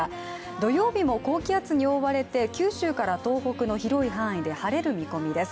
土曜日も高気圧に覆われて九州から東北の広い範囲で晴れる見込みです。